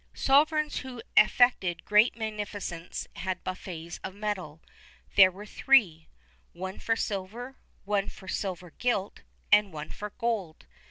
[XXXI 20] Sovereigns who affected great munificence had buffets of metal; there were three one for silver, one for silver gilt, and one for gold.